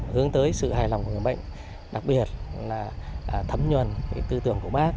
hướng tới sự hài lòng của người bệnh đặc biệt là thấm nhuần tư tưởng của bác